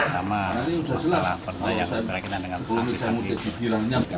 sama masalah perdayaan berkaitan dengan sampah ini